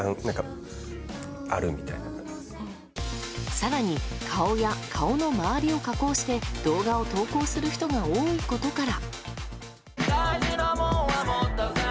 更に、顔や顔の周りを加工して動画を投稿する人が多いことから。